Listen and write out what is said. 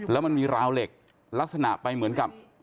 แล้วมันมีราวเหล็กลักษณะไปเหมือนกับ